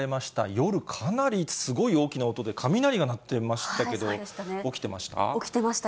夜、かなりすごい大きな音で雷が鳴ってましたけど、起きてました？